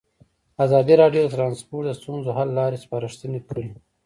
ازادي راډیو د ترانسپورټ د ستونزو حل لارې سپارښتنې کړي.